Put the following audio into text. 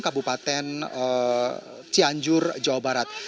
kabupaten cianjur jawa barat